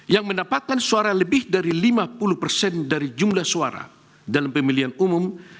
yang mendapatkan suara lebih dari lima puluh persen dari jumlah suara dalam pemilihan umum